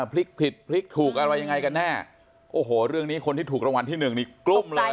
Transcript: พลิกผิดพลิกถูกอะไรยังไงกันแน่โอ้โหเรื่องนี้คนที่ถูกรางวัลที่หนึ่งนี่กลุ้มเลย